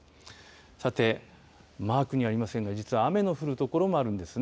さて、マークにありませんが、実は雨の降る所もあるんですね。